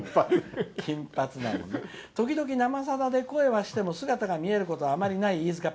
時々「生さだ」で声はしても姿見えることはあまりない飯塚Ｐ。